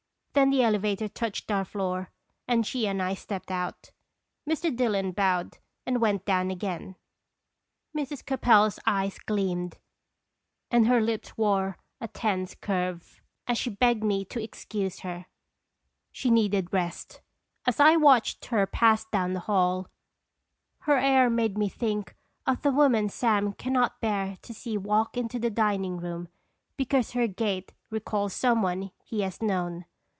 Then the elevator touched our floor, and she and I stepped out. Mr. Dillon bowed and went down again. Mrs. Capel's eyes gleamed, and her lips wore a tense curve, as she begged Seconb arb toina." 263 me to excuse her; she needed rest. As I watched her pass down the hall, her air made me think of the woman Sam can not bear to see walk into the dining room, because her gait recalls some one he has known.